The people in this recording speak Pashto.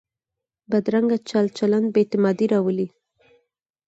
بدرنګه چل چلند بې اعتمادي راولي